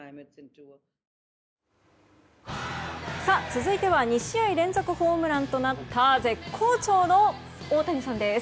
続いては２試合連続ホームランとなった絶好調の大谷さんです。